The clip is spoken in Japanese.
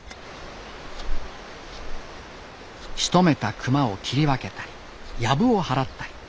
しとめた熊を切り分けたりヤブを払ったり。